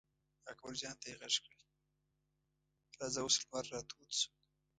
اکبر جان ته یې غږ کړل: راځه اوس لمر را تود شو.